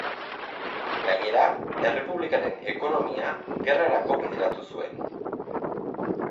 Gainera, errepublikaren ekonomia gerrarako bideratu zuen.